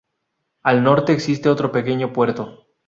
Al norte existe otro pequeño puerto.